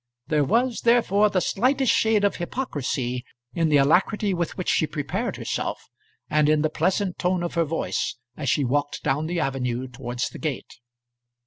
There was, therefore, the slightest shade of hypocrisy in the alacrity with which she prepared herself, and in the pleasant tone of her voice as she walked down the avenue towards the gate.